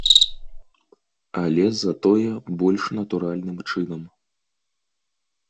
Але затое больш натуральным чынам.